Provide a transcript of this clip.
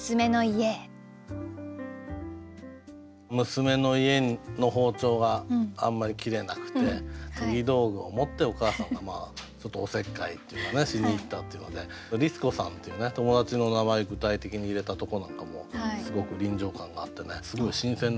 娘の家の包丁があんまり切れなくて研ぎ道具を持ってお母さんがちょっとおせっかいしにいったっていうので「律子さん」という友達の名前具体的に入れたとこなんかもすごく臨場感があってすごい新鮮でしたねこれは。